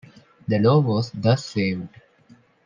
The law was thus saved.